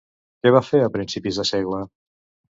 Què va fer a principis de segle?